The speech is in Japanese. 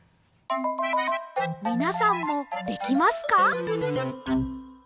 みなさんもできますか？